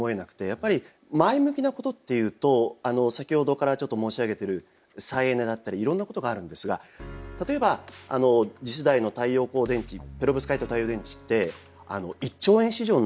やっぱり前向きなことっていうと先ほどからちょっと申し上げてる再エネだったりいろんなことがあるんですが例えば次世代の太陽光電池ペロブスカイト太陽電池って１兆円市場になるっていわれてるんです。